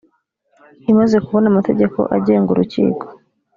imaze kubona amategeko agenga urukiko